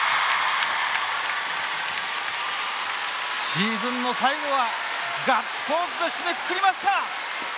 シーズンの最後はガッツポーズで締めくくりました！